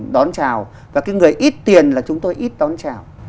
đón chào và cái người ít tiền là chúng tôi ít đón chào